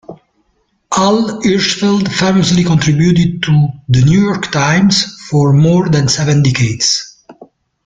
Al Hirschfeld famously contributed to "The New York Times" for more than seven decades.